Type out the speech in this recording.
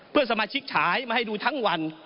เพื่อนสมาชิกฉายมาให้ดูทั้งวัน